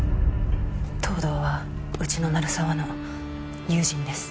東堂はうちの鳴沢の友人です